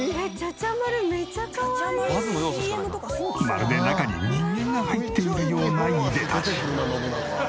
まるで中に人間が入っているようないでたち。